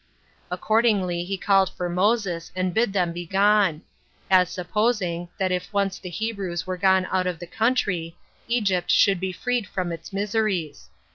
Accordingly he called for Moses, and bid them be gone; as supposing, that if once the Hebrews were gone out of the country, Egypt should be freed from its miseries.